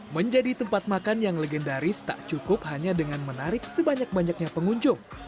menjadi tempat makan yang legendaris tak cukup hanya dengan menarik sebanyak banyaknya pengunjung